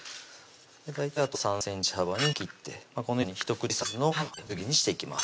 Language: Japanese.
大体あとは３ｃｍ幅に切ってこのように１口サイズのぶつ切りにしていきます